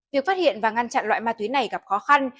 việc phát hiện và ngăn chặn loại ma túy này gặp khó khăn